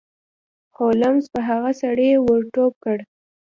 هولمز په هغه سړي ور ټوپ کړ.